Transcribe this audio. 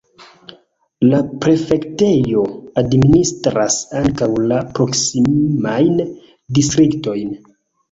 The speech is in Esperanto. La prefektejo administras ankaŭ la proksimajn distriktojn.